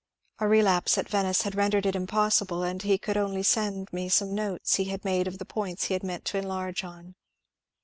A relapse at Venice had rendered it impossible, and he could only send me some notes he had made of the points he meant to enlarge on.